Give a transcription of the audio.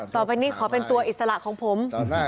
ต่อไปนี้ขอเป็นตัวอิสระของผม